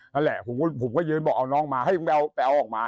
นั่นแหละผมก็ยืนบอกเอาน้องมาเฮ้ยมึงไปเอาออกมา